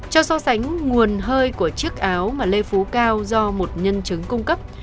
cho so sánh nguồn hơi của chiếc áo mà lê phú cao do một nhân chứng cung cấp